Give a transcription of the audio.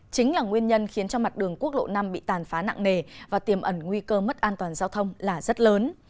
chính là nguyên nhân khiến cho mặt đường quốc lộ năm bị tàn phá nặng nề và tiềm ẩn nguy cơ mất an toàn giao thông là rất lớn